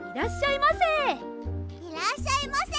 いらっしゃいませ！